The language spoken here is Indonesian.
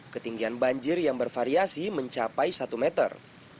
ketinggian banjir yang bervariasi mencapai satu meter